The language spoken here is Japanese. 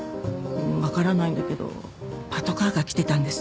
分からないんだけどパトカーが来てたんですって。